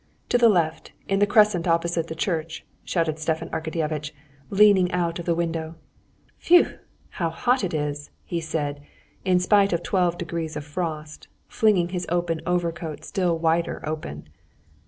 To the left, in the crescent opposite the church!" shouted Stepan Arkadyevitch, leaning out of the window. "Phew! how hot it is!" he said, in spite of twelve degrees of frost, flinging his open overcoat still wider open.